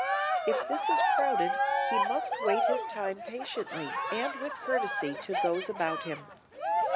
If this is crowded he must wait his time patiently and with courtesy to those about him.